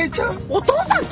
お父さんと！？